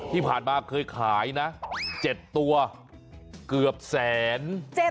ที่ผ่านมาเคยขายนะ๗ตัวเกือบแสน